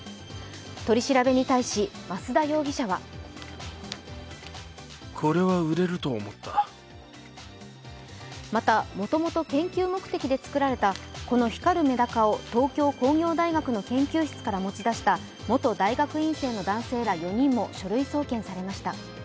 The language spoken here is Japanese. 取り調べに対し増田容疑者はまたもともと研究目的でつくられたこの光るメダカを東京工業大学の研究室から持ち出した元大学院生の男性ら４人も書類送検されました。